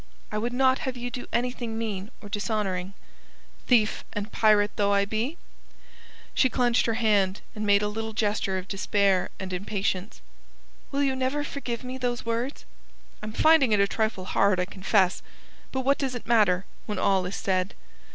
I would not have you do anything mean or dishonouring." "Thief and pirate though I be?" She clenched her hand, and made a little gesture of despair and impatience. "Will you never forgive me those words?" "I'm finding it a trifle hard, I confess. But what does it matter, when all is said?"